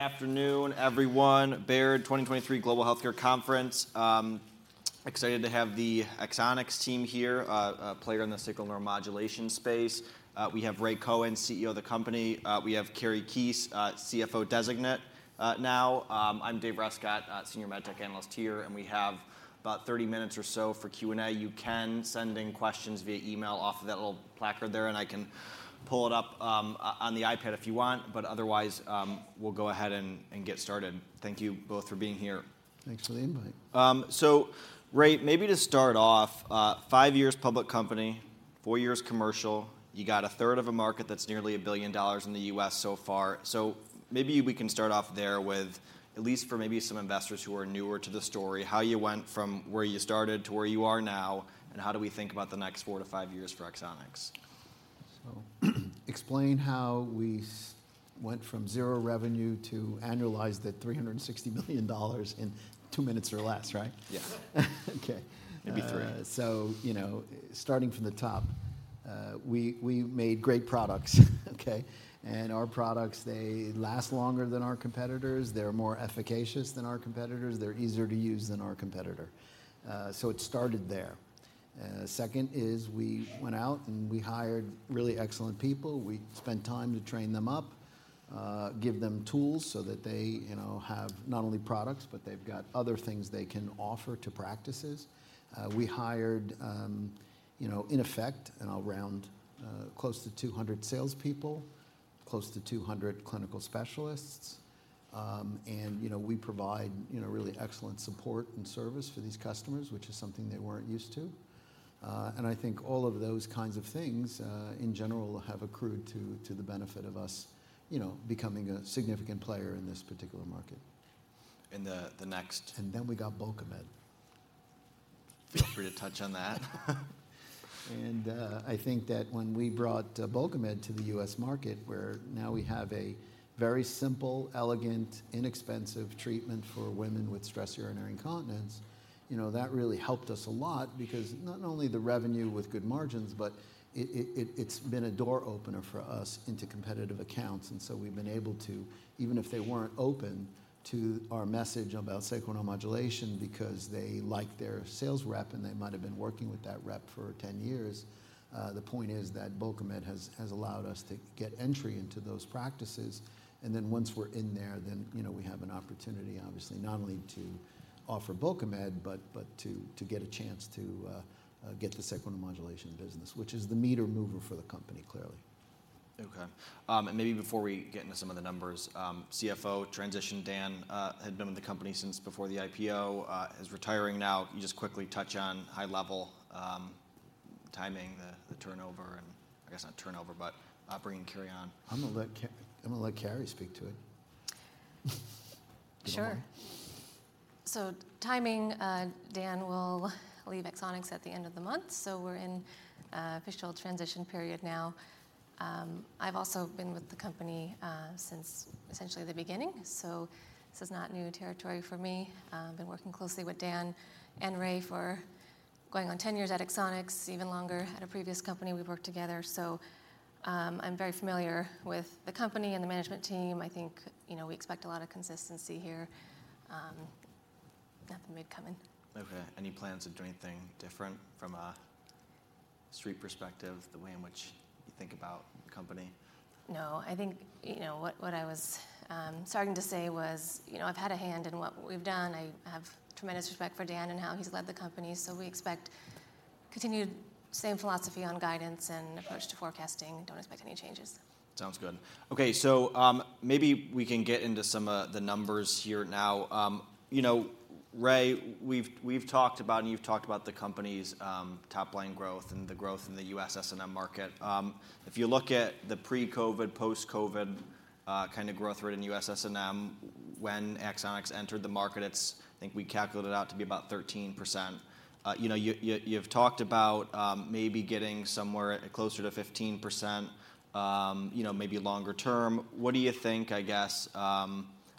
Afternoon, everyone. Baird 2023 Global Healthcare Conference. Excited to have the Axonics team here, player in the sacral neuromodulation space. We have Ray Cohen, CEO of the company. We have Kari Keese, CFO designate, now. I'm David Rescott, senior med tech analyst here, and we have about 30 minutes or so for Q&A. You can send in questions via email off of that little placard there, and I can pull it up on the iPad if you want, but otherwise, we'll go ahead and get started. Thank you both for being here. Thanks for the invite. So Ray, maybe to start off, 5 years public company, 4 years commercial, you got a third of a market that's nearly $1 billion in the U.S. so far. So maybe we can start off there with, at least for maybe some investors who are newer to the story, how you went from where you started to where you are now, and how do we think about the next 4-5 years for Axonics? So, explain how we went from zero revenue to annualized at $360 million in two minutes or less, right? Yes. Okay. Maybe three. So, you know, starting from the top, we made great products, okay? And our products, they last longer than our competitors, they're more efficacious than our competitors, they're easier to use than our competitor. So it started there. Second is, we went out, and we hired really excellent people. We spent time to train them up, give them tools so that they, you know, have not only products, but they've got other things they can offer to practices. We hired, you know, in effect, and I'll round, close to 200 salespeople, close to 200 clinical specialists. And, you know, we provide, you know, really excellent support and service for these customers, which is something they weren't used to. I think all of those kinds of things, in general, have accrued to the benefit of us, you know, becoming a significant player in this particular market. In the next- And then we got Bulkamid. Feel free to touch on that. I think that when we brought Bulkamid to the U.S. market, where now we have a very simple, elegant, inexpensive treatment for women with stress urinary incontinence, you know, that really helped us a lot because not only the revenue with good margins, but it, it's been a door opener for us into competitive accounts, and so we've been able to... Even if they weren't open to our message about sacral neuromodulation because they like their sales rep, and they might have been working with that rep for 10 years, the point is that Bulkamid has allowed us to get entry into those practices. Then once we're in there, you know, we have an opportunity, obviously, not only to offer Bulkamid, but to get a chance to get the sacral neuromodulation business, which is the meat and mover for the company, clearly. Okay. And maybe before we get into some of the numbers, CFO transition, Dan had been with the company since before the IPO, is retiring now. Can you just quickly touch on high-level, the turnover and, I guess not turnover, but bringing Kari on? I'm gonna let Kari speak to it. Sure. So timing, Dan will leave Axonics at the end of the month, so we're in an official transition period now. I've also been with the company since essentially the beginning, so this is not new territory for me. I've been working closely with Dan and Ray for going on 10 years at Axonics, even longer at a previous company we worked together. So, I'm very familiar with the company and the management team. I think, you know, we expect a lot of consistency here. Nothing big coming. Okay. Any plans to do anything different from a street perspective, the way in which you think about the company? No. I think, you know, what I was starting to say was, you know, I've had a hand in what we've done. I have tremendous respect for Dan and how he's led the company, so we expect continued same philosophy on guidance and approach to forecasting. Don't expect any changes. Sounds good. Okay, so, maybe we can get into some, the numbers here now. You know, Ray, we've, we've talked about, and you've talked about the company's, top-line growth and the growth in the US SNM market. If you look at the pre-COVID, post-COVID, kind of growth rate in US SNM, when Axonics entered the market, it's—I think we calculated out to be about 13%. You know, you, you've talked about, maybe getting somewhere closer to 15%, you know, maybe longer term. What do you think, I guess, I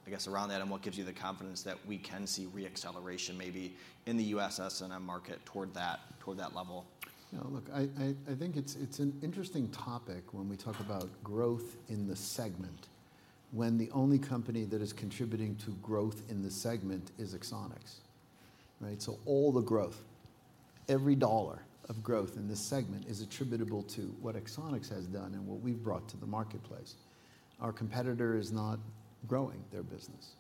guess, around that, and what gives you the confidence that we can see re-acceleration maybe in the US SNM market toward that, toward that level? You know, look, I think it's an interesting topic when we talk about growth in the segment, when the only company that is contributing to growth in the segment is Axonics, right? So all the growth, every dollar of growth in this segment is attributable to what Axonics has done and what we've brought to the marketplace. Our competitor is not growing their business.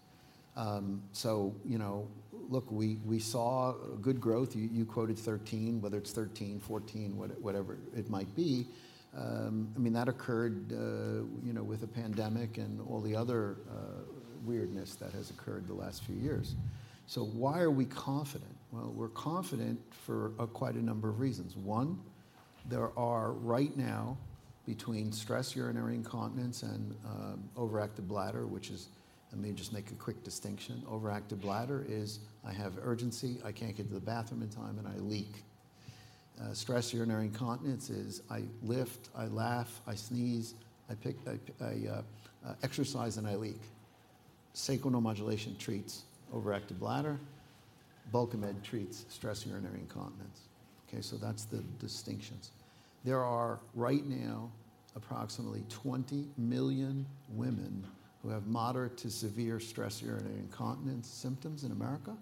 So you know, look, we saw good growth. You quoted 13, whether it's 13, 14, whatever it might be. I mean, that occurred with the pandemic and all the other weirdness that has occurred the last few years. So why are we confident? Well, we're confident for quite a number of reasons. One, there are right now, between stress urinary incontinence and overactive bladder, which is... Let me just make a quick distinction. Overactive bladder is: I have urgency, I can't get to the bathroom in time, and I leak. Stress urinary incontinence is: I lift, I laugh, I sneeze, I exercise, and I leak. Sacral neuromodulation treats overactive bladder. Bulkamid treats stress urinary incontinence. Okay, so that's the distinctions. There are, right now, approximately 20 million women who have moderate to severe stress urinary incontinence symptoms in America,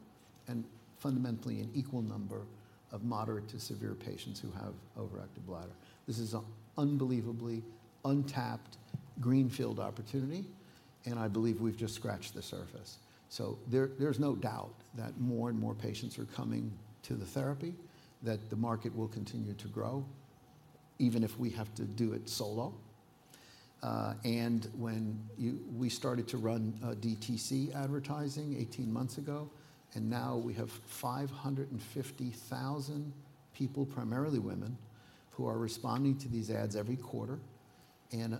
and fundamentally, an equal number of moderate to severe patients who have overactive bladder. This is an unbelievably untapped greenfield opportunity, and I believe we've just scratched the surface. So there, there's no doubt that more and more patients are coming to the therapy, that the market will continue to grow, even if we have to do it solo. And when we started to run DTC advertising eighteen months ago, and now we have 550,000 people, primarily women, who are responding to these ads every quarter. And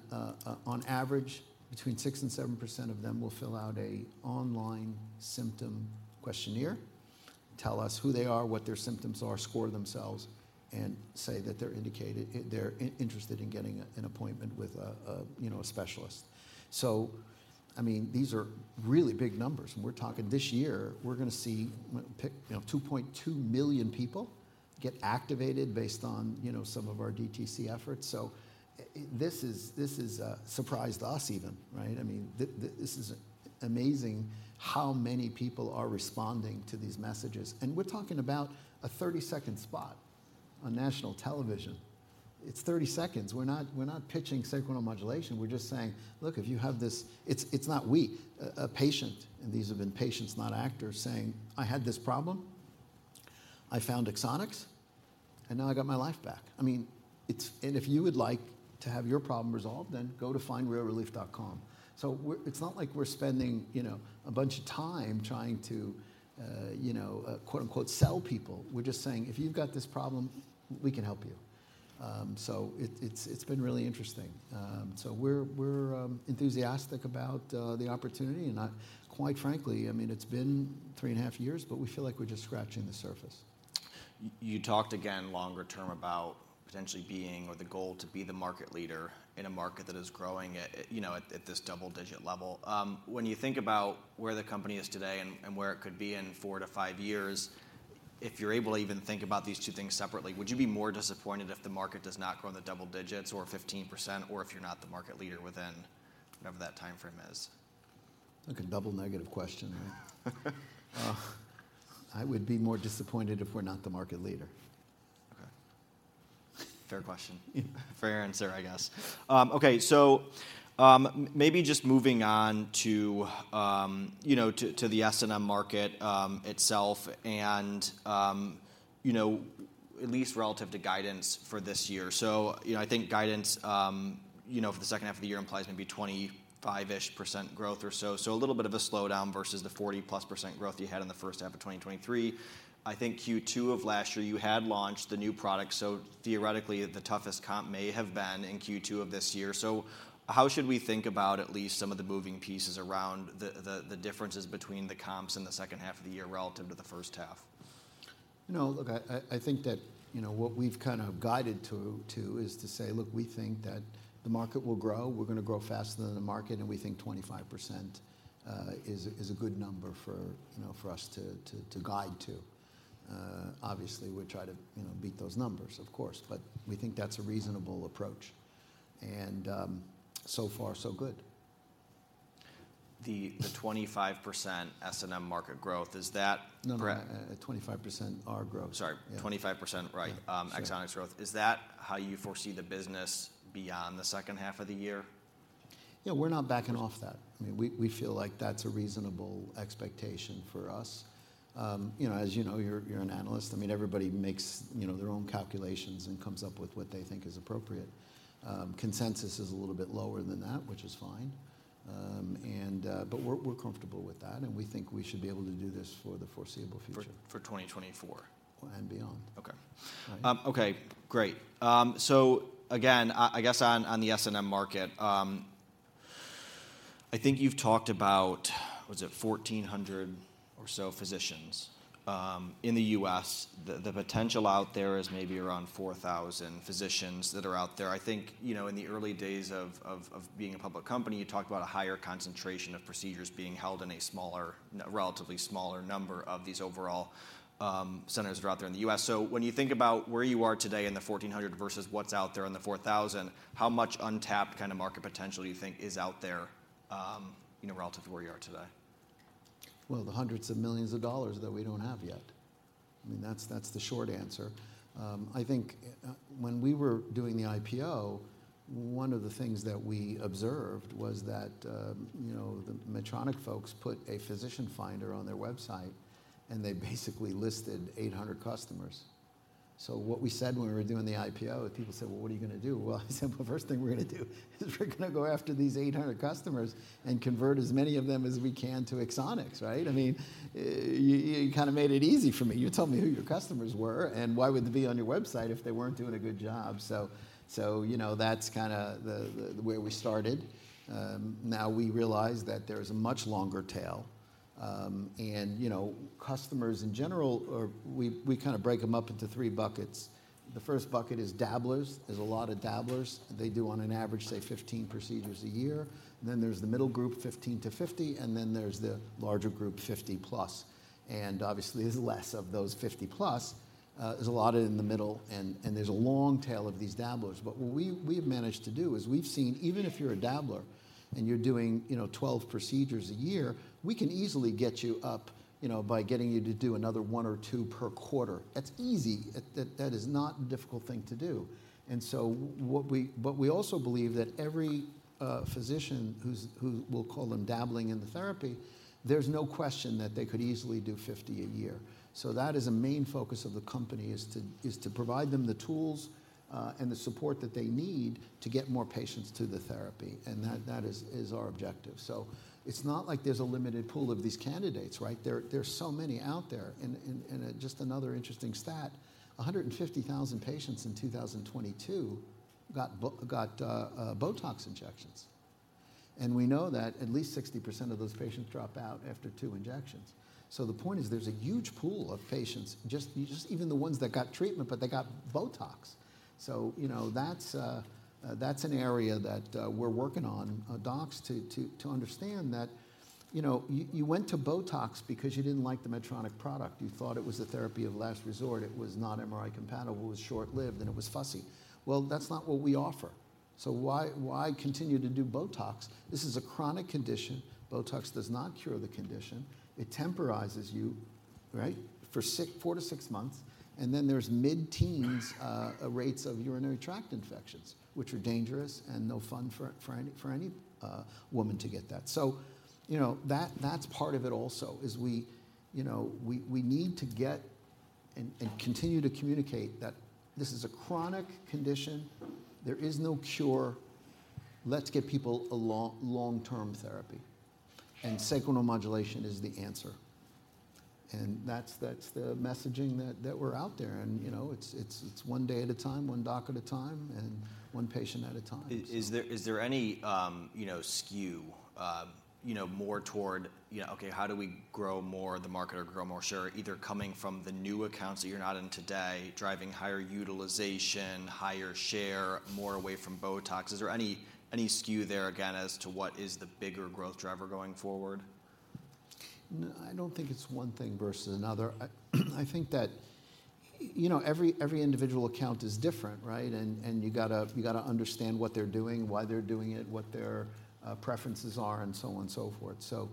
on average, between 6% and 7% of them will fill out an online symptom questionnaire, tell us who they are, what their symptoms are, score themselves, and say that they're interested in getting an appointment with, you know, a specialist. So, I mean, these are really big numbers, and we're talking this year, we're gonna see, you know, 2.2 million people get activated based on, you know, some of our DTC efforts. So this is, this has surprised us even, right? I mean, this is amazing how many people are responding to these messages. And we're talking about a 30-second spot on national television. It's 30 seconds. We're not, we're not pitching sacral neuromodulation. We're just saying: "Look, if you have this..." It's not a patient, and these have been patients, not actors, saying: "I had this problem. I found Axonics, and now I got my life back." I mean, it's "And if you would like to have your problem resolved, then go to findrealrelief.com." So we're it's not like we're spending, you know, a bunch of time trying to, you know, quote, unquote, sell people. We're just saying: "If you've got this problem, we can help you." So it's been really interesting. So we're enthusiastic about the opportunity, and I quite frankly, I mean, it's been three and a half years, but we feel like we're just scratching the surface. You talked again, longer term, about potentially being or the goal to be the market leader in a market that is growing at, you know, at this double-digit level. When you think about where the company is today and where it could be in 4-5 years, if you're able to even think about these two things separately, would you be more disappointed if the market does not grow in the double digits or 15%, or if you're not the market leader within whatever that timeframe is? Like a double negative question, right? I would be more disappointed if we're not the market leader. Okay. Fair question. Yeah. Fair answer, I guess. Okay, so maybe just moving on to, you know, to the SNM market itself and, you know, at least relative to guidance for this year. So, you know, I think guidance, you know, for the second half of the year implies maybe 25-ish% growth or so. So a little bit of a slowdown versus the 40+% growth you had in the first half of 2023. I think Q2 of last year, you had launched the new product, so theoretically, the toughest comp may have been in Q2 of this year. So how should we think about at least some of the moving pieces around the differences between the comps in the second half of the year relative to the first half? You know, look, I think that, you know, what we've kind of guided to is to say, look, we think that the market will grow. We're gonna grow faster than the market, and we think 25% is a good number for, you know, for us to guide to. Obviously, we try to, you know, beat those numbers, of course, but we think that's a reasonable approach, and so far, so good. The 25% SNM market growth, is that- No, 25% our growth. Sorry. Yeah. 25%, right- Yeah Axonics growth. Is that how you foresee the business beyond the second half of the year? Yeah, we're not backing off that. I mean, we feel like that's a reasonable expectation for us. You know, you're an analyst. I mean, everybody makes, you know, their own calculations and comes up with what they think is appropriate. Consensus is a little bit lower than that, which is fine, and, but we're comfortable with that, and we think we should be able to do this for the foreseeable future. For 2024? And beyond. Okay. Right. Okay, great. So again, I guess on the SNM market, I think you've talked about, what is it? 1,400 or so physicians in the U.S. The potential out there is maybe around 4,000 physicians that are out there. I think, you know, in the early days of being a public company, you talked about a higher concentration of procedures being held in a smaller, relatively smaller number of these overall centers that are out there in the U.S. So when you think about where you are today in the 1,400 versus what's out there in the 4,000, how much untapped kind of market potential do you think is out there, you know, relative to where you are today? Well, the hundreds of millions of dollars that we don't have yet. I mean, that's, that's the short answer. I think, when we were doing the IPO, one of the things that we observed was that, you know, the Medtronic folks put a physician finder on their website, and they basically listed 800 customers. So what we said when we were doing the IPO, and people said: "Well, what are you gonna do?" Well, I said: "Well, first thing we're gonna do is we're gonna go after these 800 customers and convert as many of them as we can to Axonics," right? I mean, you kind of made it easy for me. You told me who your customers were, and why would they be on your website if they weren't doing a good job? So, you know, that's kinda the way we started. Now we realize that there is a much longer tail, and, you know, customers in general are... We kind of break them up into three buckets. The first bucket is dabblers. There's a lot of dabblers. They do on an average, say, 15 procedures a year. Then there's the middle group, 15-50, and then there's the larger group, 50+, and obviously, there's less of those 50+... There's a lot in the middle, and there's a long tail of these dabblers. But what we've managed to do is we've seen, even if you're a dabbler and you're doing, you know, 12 procedures a year, we can easily get you up, you know, by getting you to do another 1 or 2 per quarter. That's easy. That is not a difficult thing to do. But we also believe that every physician who's dabbling in the therapy, there's no question that they could easily do 50 a year. So that is a main focus of the company, is to provide them the tools and the support that they need to get more patients to the therapy, and that is our objective. So it's not like there's a limited pool of these candidates, right? There are so many out there. And just another interesting stat, 150,000 patients in 2022 got Botox injections, and we know that at least 60% of those patients drop out after two injections. So the point is, there's a huge pool of patients, just even the ones that got treatment, but they got Botox. So, you know, that's an area that we're working on docs to understand that, you know, you went to Botox because you didn't like the Medtronic product. You thought it was the therapy of last resort. It was not MRI compatible, it was short-lived, and it was fussy. Well, that's not what we offer. So why continue to do Botox? This is a chronic condition. Botox does not cure the condition. It temporizes you, right? For 4-6 months, and then there's mid-teens rates of urinary tract infections, which are dangerous and no fun for any woman to get that. You know, that's part of it also is we, you know, we need to get and continue to communicate that this is a chronic condition. There is no cure. Let's get people a long-term therapy, and Sacral Neuromodulation is the answer. That's the messaging that we're out there, and, you know, it's one day at a time, one doc at a time, and one patient at a time. Is there any, you know, skew, you know, more toward, you know, okay, how do we grow more the market or grow more share, either coming from the new accounts that you're not in today, driving higher utilization, higher share, more away from Botox? Is there any skew there again, as to what is the bigger growth driver going forward? No, I don't think it's one thing versus another. I think that, you know, every individual account is different, right? And you gotta understand what they're doing, why they're doing it, what their preferences are, and so on and so forth. So,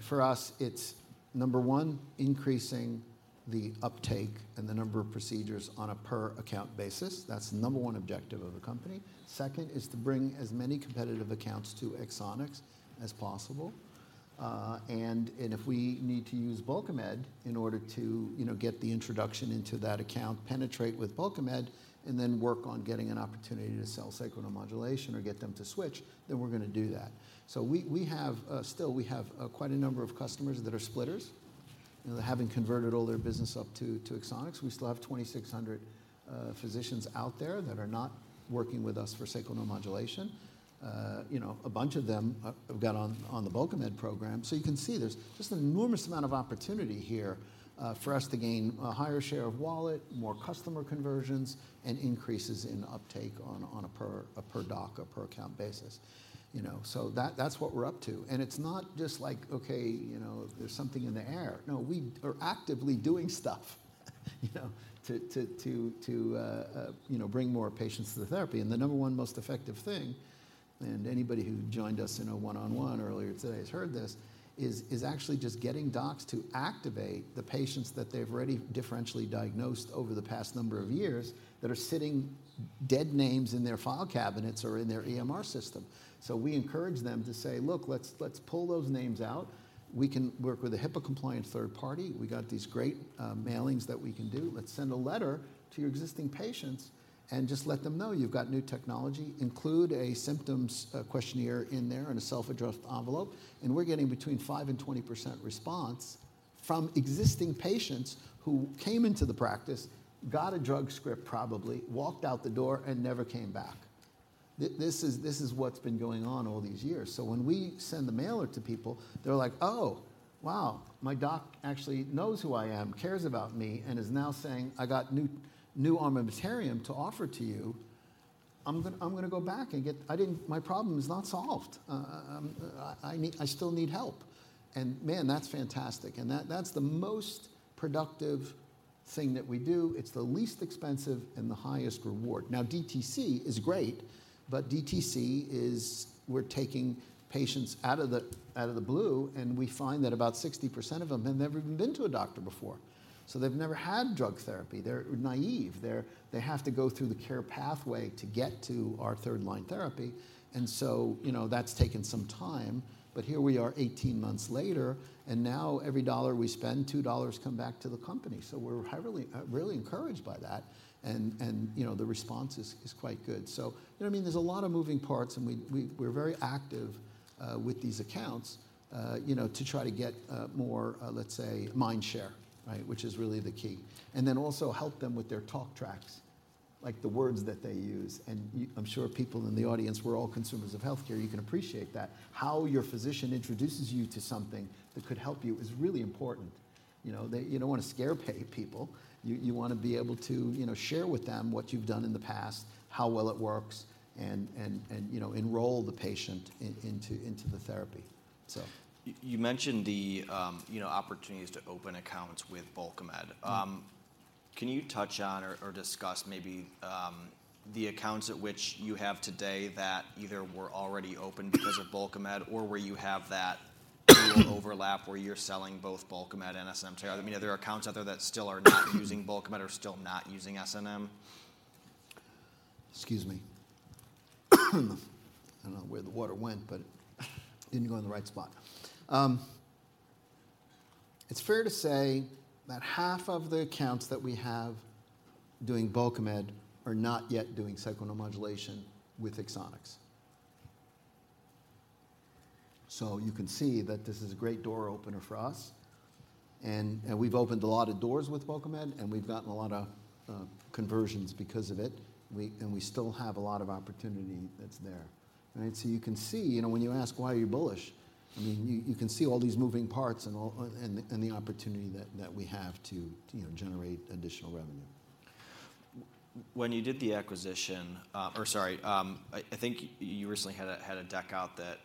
for us, it's number one, increasing the uptake and the number of procedures on a per account basis. That's the number one objective of the company. Second, is to bring as many competitive accounts to Axonics as possible. And if we need to use Bulkamid in order to, you know, get the introduction into that account, penetrate with Bulkamid, and then work on getting an opportunity to sell sacral neuromodulation or get them to switch, then we're gonna do that. So we have still quite a number of customers that are splitters, you know, having converted all their business up to Axonics. We still have 2,600 physicians out there that are not working with us for sacral neuromodulation. You know, a bunch of them have got on the Bulkamid program. So you can see there's just an enormous amount of opportunity here for us to gain a higher share of wallet, more customer conversions, and increases in uptake on a per doc or per account basis, you know. So that's what we're up to. And it's not just like, okay, you know, there's something in the air. No, we are actively doing stuff, you know, to bring more patients to the therapy. The number one most effective thing, and anybody who joined us in our one-on-one earlier today has heard this, is actually just getting docs to activate the patients that they've already differentially diagnosed over the past number of years, that are sitting dead names in their file cabinets or in their EMR system. So we encourage them to say, "Look, let's pull those names out. We can work with a HIPAA-compliant third party. We got these great mailings that we can do. Let's send a letter to your existing patients and just let them know you've got new technology." Include a symptoms questionnaire in there and a self-addressed envelope, and we're getting between 5% and 20% response from existing patients who came into the practice, got a drug script probably, and never came back. This is what's been going on all these years. So when we send the mailer to people, they're like: "Oh, wow! My doc actually knows who I am, cares about me, and is now saying, 'I got new, new armamentarium to offer to you.' I'm gonna, I'm gonna go back and get-- I didn't-- my problem is not solved. I need-- I still need help." And man, that's fantastic, and that, that's the most productive thing that we do. It's the least expensive and the highest reward. Now, DTC is great, but DTC is we're taking patients out of the blue, and we find that about 60% of them have never even been to a doctor before. So they've never had drug therapy. They're naive. They have to go through the care pathway to get to our third-line therapy, and so, you know, that's taken some time. But here we are, 18 months later, and now every $1 we spend, $2 come back to the company. So we're highly, really encouraged by that, and you know, the response is quite good. So, you know what I mean? There's a lot of moving parts, and we're very active with these accounts, you know, to try to get more, let's say, mind share, right? Which is really the key. And then also help them with their talk tracks, like the words that they use. And I'm sure people in the audience, we're all consumers of healthcare, you can appreciate that. How your physician introduces you to something that could help you is really important. You know, you don't wanna scare away people. You wanna be able to, you know, share with them what you've done in the past, how well it works, and, and, you know, enroll the patient into the therapy. So... You mentioned the, you know, opportunities to open accounts with Bulkamid. Mm-hmm. Can you touch on or discuss maybe the accounts at which you have today that either were already open because of Bulkamid, or where you have that overlap, where you're selling both Bulkamid and SNM Terra? I mean, are there accounts out there that still are not using Bulkamid or still not using SNM? Excuse me. I don't know where the water went, but didn't go in the right spot. It's fair to say that half of the accounts that we have doing Bulkamid are not yet doing sacral neuromodulation with Axonics. So you can see that this is a great door opener for us, and we've opened a lot of doors with Bulkamid, and we've gotten a lot of conversions because of it. And we still have a lot of opportunity that's there, right? So you can see, you know, when you ask, "Why are you bullish?" I mean, you can see all these moving parts and all, and the opportunity that we have to, you know, generate additional revenue. When you did the acquisition, or sorry, I think you recently had a deck out that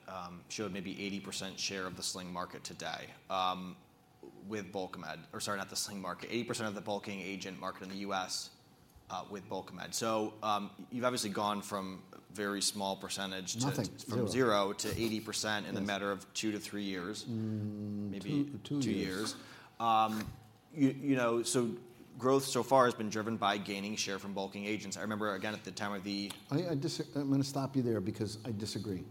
showed maybe 80% share of the sling market today, with Bulkamid, or sorry, not the sling market. 80% of the bulking agent market in the U.S., with Bulkamid. So, you've obviously gone from very small percentage to- Nothing. Zero. From 0%-80%- Yes... in a matter of two to three years. two, two years. Maybe two years. You know, so growth so far has been driven by gaining share from bulking agents. I remember again at the time of the. I'm gonna stop you there because I disagree.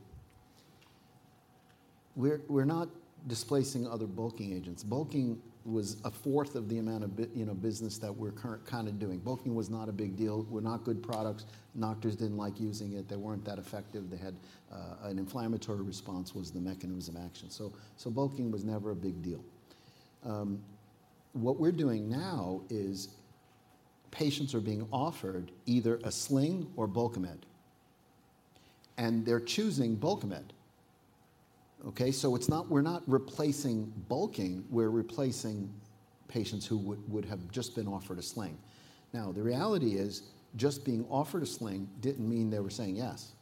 We're not displacing other bulking agents. Bulking was a fourth of the amount of business that we're kinda doing. Bulking was not a big deal, weren't good products. Doctors didn't like using it. They weren't that effective. They had an inflammatory response, was the mechanism of action. So bulking was never a big deal. What we're doing now is, patients are being offered either a sling or Bulkamid, and they're choosing Bulkamid. Okay? So it's not-- we're not replacing bulking, we're replacing patients who would have just been offered a sling. Now, the reality is, just being offered a sling didn't mean they were saying yes.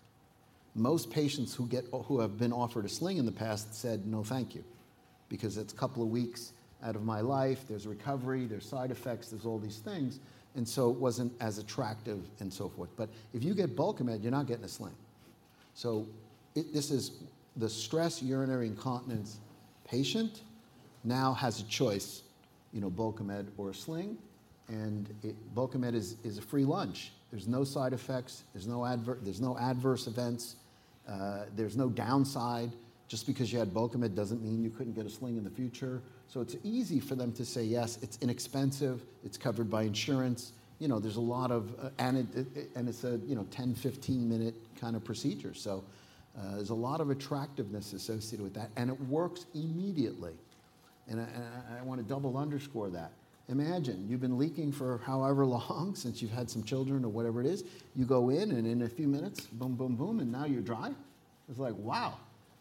Most patients who have been offered a sling in the past said, "No, thank you," because it's a couple of weeks out of my life. There's recovery, there's side effects, there's all these things, and so it wasn't as attractive, and so forth. But if you get Bulkamid, you're not getting a sling. So this is the stress urinary incontinence patient now has a choice, you know, Bulkamid or a sling, and Bulkamid is a free lunch. There's no side effects, there's no adverse events, there's no downside. Just because you had Bulkamid, doesn't mean you couldn't get a sling in the future. So it's easy for them to say, "Yes," it's inexpensive, it's covered by insurance. You know, there's a lot of... And it's a, you know, 10, 15-minute kind of procedure. So, there's a lot of attractiveness associated with that, and it works immediately, and I want to double underscore that. Imagine, you've been leaking for however long, since you've had some children or whatever it is. You go in, and in a few minutes, boom, boom, boom, and now you're dry. It's like: Wow!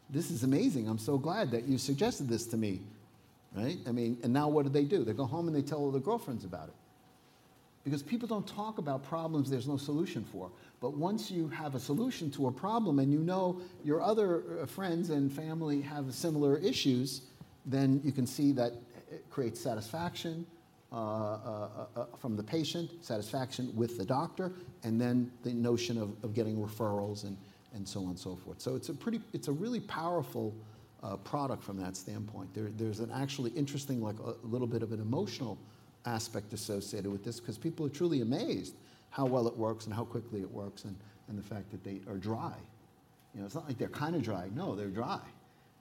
This is amazing. I'm so glad that you suggested this to me. Right? I mean, and now what do they do? They go home, and they tell all their girlfriends about it. Because people don't talk about problems there's no solution for. But once you have a solution to a problem, and you know your other friends and family have similar issues, then you can see that it creates satisfaction from the patient, satisfaction with the doctor, and then the notion of getting referrals and so on and so forth. So it's a really powerful product from that standpoint. There's an actually interesting, like, a little bit of an emotional aspect associated with this, 'cause people are truly amazed how well it works and how quickly it works, and the fact that they are dry. You know, it's not like they're kind of dry. No, they're dry.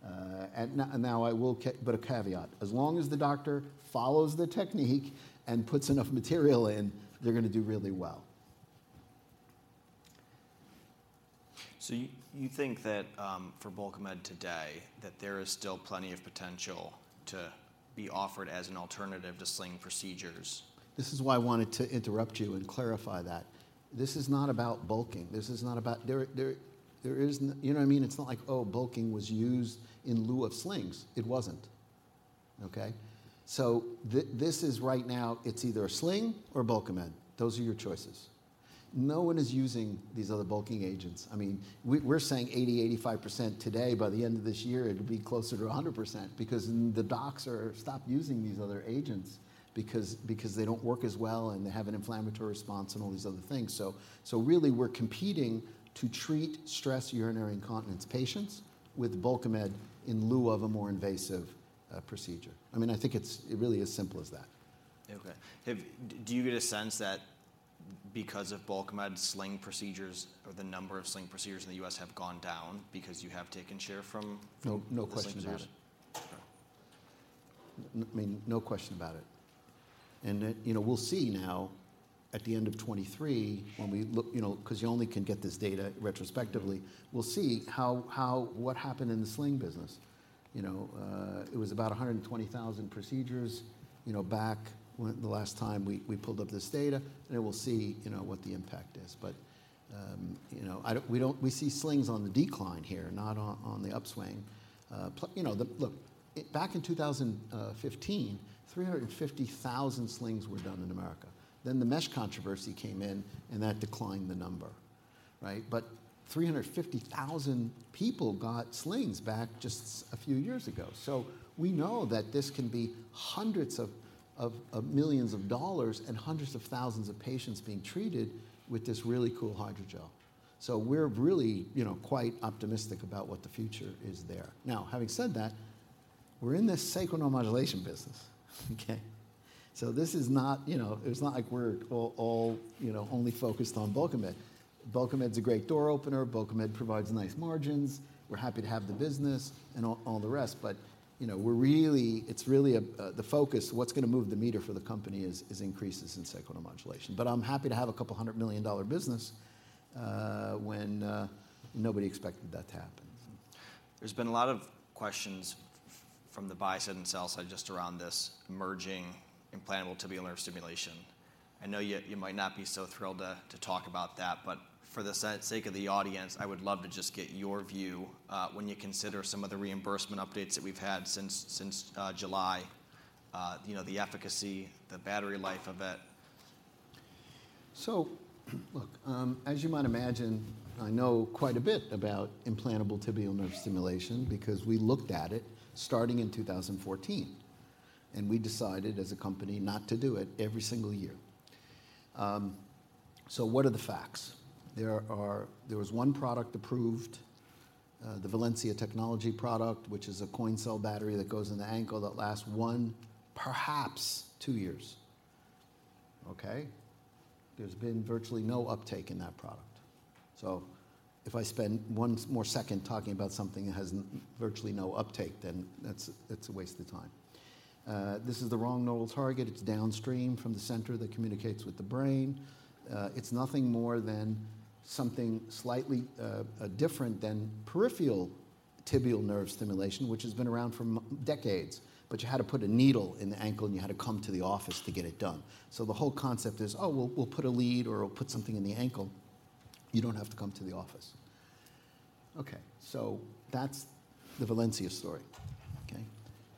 But a caveat, as long as the doctor follows the technique and puts enough material in, they're gonna do really well. So you think that for Bulkamid today, that there is still plenty of potential to be offered as an alternative to sling procedures? This is why I wanted to interrupt you and clarify that. This is not about bulking. This is not about... There isn't-- You know what I mean? It's not like, oh, bulking was used in lieu of slings. It wasn't. Okay? So this is right now, it's either a sling or Bulkamid. Those are your choices. No one is using these other bulking agents. I mean, we're saying 80%-85% today, by the end of this year, it'll be closer to 100% because the docs are stopped using these other agents because they don't work as well, and they have an inflammatory response and all these other things. So really, we're competing to treat stress urinary incontinence patients with Bulkamid in lieu of a more invasive procedure. I mean, I think it's, it really as simple as that. Okay. Do you get a sense that because of Bulkamid sling procedures or the number of sling procedures in the U.S. have gone down because you have taken share from No, no question about it. Okay. I mean, no question about it. You know, we'll see now, at the end of 2023, when we look. You know, 'cause you only can get this data retrospectively. We'll see how what happened in the sling business. You know, it was about 120,000 procedures, you know, back when the last time we pulled up this data, and we'll see, you know, what the impact is. But, you know, we don't see slings on the decline here, not on the upswing. You know, look, back in 2015, 350,000 slings were done in America. Then the mesh controversy came in, and that declined the number, right? But 350,000 people got slings back just a few years ago. So we know that this can be hundreds of millions of dollars and hundreds of thousands of patients being treated with this really cool hydrogel. So we're really, you know, quite optimistic about what the future is there. Now, having said that, we're in this sacral neuromodulation business, okay? So this is not, you know, it's not like we're all, you know, only focused on Bulkamid. Bulkamid's a great door opener. Bulkamid provides nice margins. We're happy to have the business and all the rest, but, you know, we're really, it's really the focus, what's gonna move the meter for the company is increases in sacral neuromodulation. But I'm happy to have a $200 million-dollar business, when nobody expected that to happen. There's been a lot of questions from the buy side and sell side just around this emerging implantable tibial nerve stimulation. I know you might not be so thrilled to talk about that, but for the sake of the audience, I would love to just get your view, when you consider some of the reimbursement updates that we've had since July, you know, the efficacy, the battery life of it. So look, as you might imagine, I know quite a bit about implantable tibial nerve stimulation because we looked at it starting in 2014, and we decided as a company not to do it every single year. So what are the facts? There was one product approved, the Valencia Technologies product, which is a coin cell battery that goes in the ankle that lasts one, perhaps two years, okay? There's been virtually no uptake in that product. So if I spend one more second talking about something that has virtually no uptake, then that's, that's a waste of time. This is the wrong nodal target. It's downstream from the center that communicates with the brain. It's nothing more than something slightly different than peripheral tibial nerve stimulation, which has been around for decades, but you had to put a needle in the ankle, and you had to come to the office to get it done. So the whole concept is, "Oh, we'll, we'll put a lead, or we'll put something in the ankle. You don't have to come to the office." Okay, so that's the Valencia story, okay?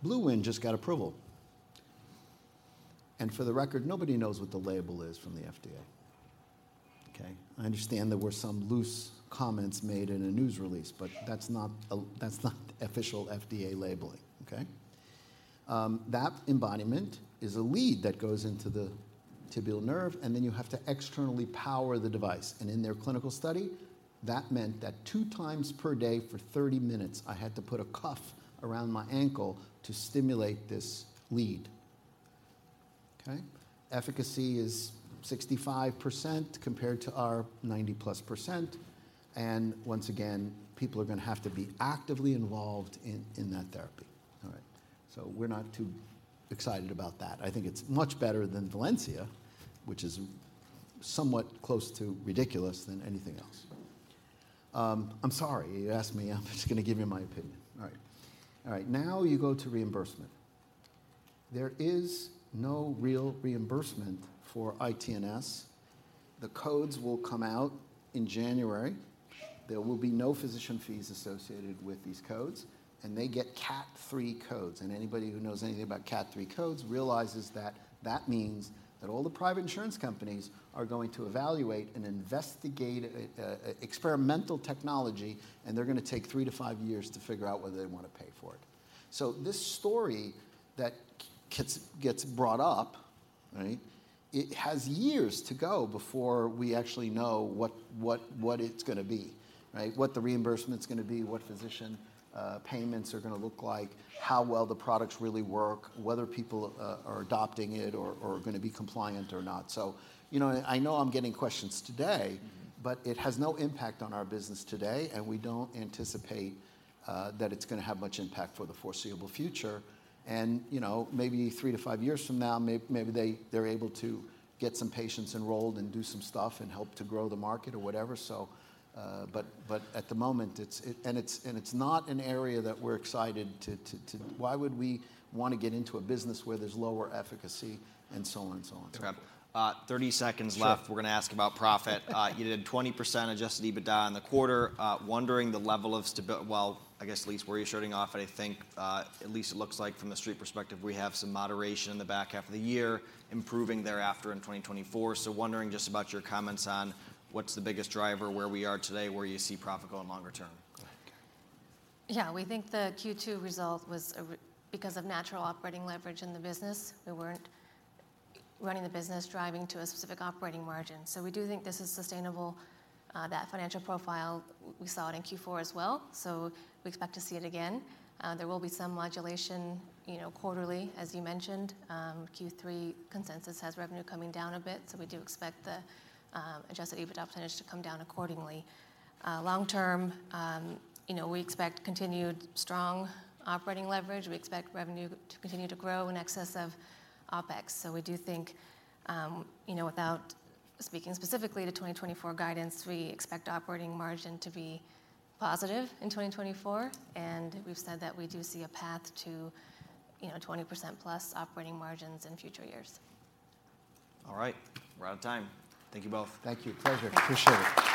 BlueWind just got approval. And for the record, nobody knows what the label is from the FDA, okay? I understand there were some loose comments made in a news release, but that's not official FDA labeling, okay? That embodiment is a lead that goes into the tibial nerve, and then you have to externally power the device, and in their clinical study, that meant that two times per day for 30 minutes, I had to put a cuff around my ankle to stimulate this lead, okay? Efficacy is 65% compared to our 90%+, and once again, people are gonna have to be actively involved in that therapy. All right. So we're not too excited about that. I think it's much better than Valencia, which is somewhat close to ridiculous than anything else. I'm sorry. You asked me, I'm just gonna give you my opinion. All right. All right, now you go to reimbursement. There is no real reimbursement for ITNS. The codes will come out in January. There will be no physician fees associated with these codes, and they get Cat III codes, and anybody who knows anything about Cat III codes realizes that that means that all the private insurance companies are going to evaluate and investigate an experimental technology, and they're gonna take 3-5 years to figure out whether they want to pay for it. So this story that it gets brought up, right, it has years to go before we actually know what it's gonna be, right? What the reimbursement's gonna be, what physician payments are gonna look like, how well the products really work, whether people are adopting it or are gonna be compliant or not. So, you know, I know I'm getting questions today, but it has no impact on our business today, and we don't anticipate that it's gonna have much impact for the foreseeable future. And, you know, maybe 3-5 years from now, maybe they're able to get some patients enrolled and do some stuff and help to grow the market or whatever, so. But at the moment, it's not an area that we're excited to—why would we want to get into a business where there's lower efficacy and so on and so on? 30 seconds left. Sure. We're gonna ask about profit. You did 20% Adjusted EBITDA in the quarter. Wondering the level of stability, well, I guess, Lisa, were you starting off? But I think, at least it looks like from the street perspective, we have some moderation in the back half of the year, improving thereafter in 2024. So wondering just about your comments on what's the biggest driver, where we are today, where you see profit going longer term? Okay. Yeah, we think the Q2 result was because of natural operating leverage in the business. We weren't running the business, driving to a specific operating margin. So we do think this is sustainable, that financial profile, we saw it in Q4 as well, so we expect to see it again. There will be some modulation, you know, quarterly, as you mentioned. Q3 consensus has revenue coming down a bit, so we do expect the adjusted EBITDA percentage to come down accordingly. Long term, you know, we expect continued strong operating leverage. We expect revenue to continue to grow in excess of OpEx. So we do think, you know, without speaking specifically to 2024 guidance, we expect operating margin to be positive in 2024, and we've said that we do see a path to, you know, 20%+ operating margins in future years. All right. We're out of time. Thank you both. Thank you. Pleasure. Appreciate it.